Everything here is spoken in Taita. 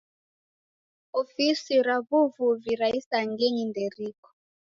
Ofisi ra w'uvuvi ra isangenyi nderiko.